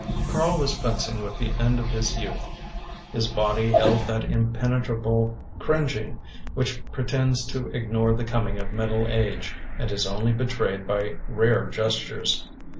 Carl was fencing with the end of his youth. His body held that inpenetrable cringing which pretends to ignore the coming of middle age and is only betrayed by rare gestures.